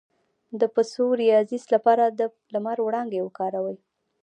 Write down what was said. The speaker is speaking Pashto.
د پسوریازیس لپاره د لمر وړانګې وکاروئ